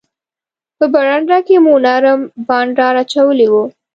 په برنډه کې مو نرم بانډار اچولی وو.